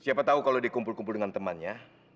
siapa tau kalau dikumpul kumpul dengan temannya